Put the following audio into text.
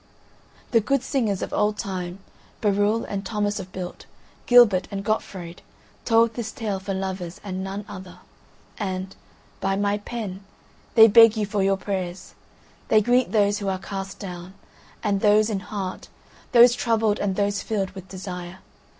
The good singers of old time, Beroul and Thomas of Built, Gilbert and Gottfried told this tale for lovers and none other, and, by my pen, they beg you for your prayers. They greet those who are cast down, and those in heart, those troubled and those filled with desire.